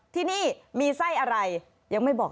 ที่นี่มีไส้อะไรยังไม่บอก